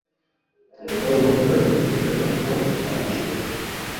Mumbabarire, ariko ntibishoboka.